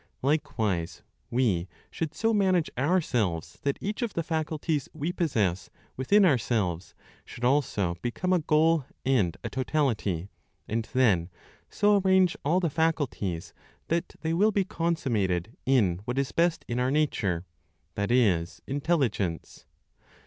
Likewise, we should so manage ourselves that each of the faculties we possess within ourselves should also become a goal and a totality; and then so arrange all the faculties that they will be consummated in what is best in our nature (that is, intelligence).